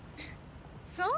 そう？